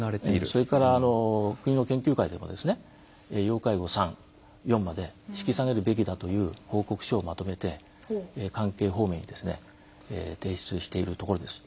それから国の研究会でも要介護３４まで引き下げるべきだという報告書をまとめて関係方面に提出しているところです。